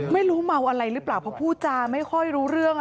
ไม่รู้เมาอะไรหรือเปล่าเพราะพูดจาไม่ค่อยรู้เรื่อง